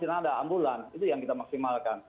tidak ada ambulan itu yang kita maksimalkan